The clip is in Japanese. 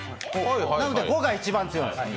なので５が一番強いんです。